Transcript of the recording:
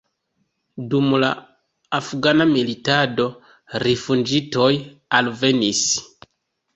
Dum la afgana militado rifuĝintoj alvenis.